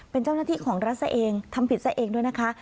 เป็นเจ้าหน้าที่ของรัฐซะเองทำผิดซะเองด้วยนะคะ